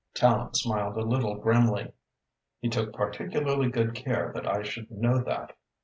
Tallente smiled a little grimly. "He took particularly good care that I should know that."